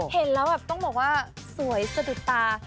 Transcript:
เห็นแล้วแบบต้องบอกว่าสวยสะดุดตา